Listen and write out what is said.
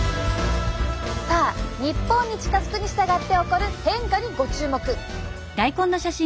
さあ日本に近づくに従って起こる変化にご注目！